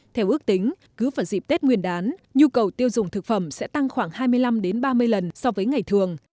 theo ước tính cứ vào dịp tết nguyên đán nhu cầu tiêu dùng thực phẩm sẽ tăng khoảng hai mươi năm ba mươi lần so với ngày thường